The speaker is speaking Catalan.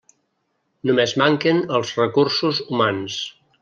Només manquen els recursos humans.